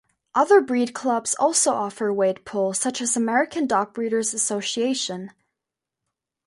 Other breed clubs also offer weight pull, such as American Dog Breeders Association.